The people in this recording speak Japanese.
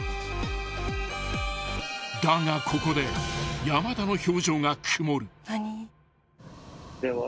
［だがここで山田の表情が曇る］